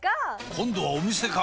今度はお店か！